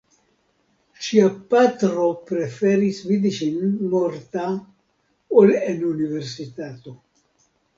Ŝia patro preferis vidi ŝin morta ol en Universitato.